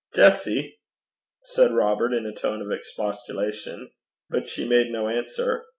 'Jessie!' said Robert, in a tone of expostulation. But she made no answer.